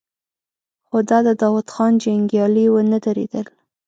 خو د داوود خان جنګيالي ونه درېدل.